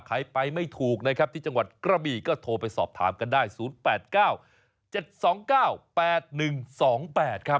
ใครไปไม่ถูกนะครับที่จังหวัดกระบีก็โทรไปสอบถามกันได้๐๘๙๗๒๙๘๑๒๘ครับ